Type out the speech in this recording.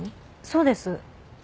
そうです。